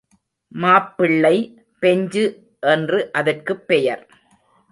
மாப்பிள்ளை பெஞ்சு என்று அதற்குப் பெயர்.